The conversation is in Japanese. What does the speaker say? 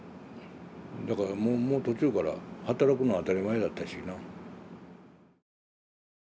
だからもう途中から働くの当たり前だったしな。